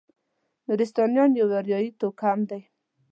نورستانیان یو اریایي توکم دی.